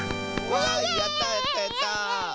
わいやったやったやった！